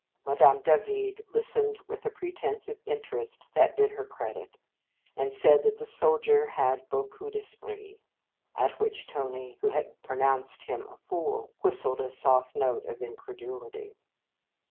Madame Davide listened with a pretence of interest that did her credit, and said that the soldier had " beaucoup d esprit;" at which Tony, who had pronounced him a fool, whistled a soft note of incredulity.